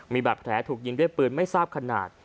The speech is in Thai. มีบาดแผลถูกยิงด้วยปืนไม่ทราบขนาด